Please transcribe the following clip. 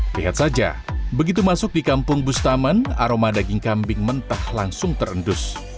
lihat saja begitu masuk di kampung bustaman aroma daging kambing mentah langsung terendus